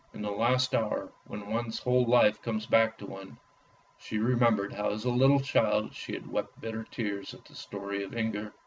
In the last hour when one's whole life comes back to one, she remembered how as a little child she had wept bitter tears at the story of Inger.